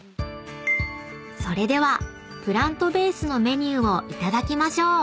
［それではプラントベースのメニューをいただきましょう］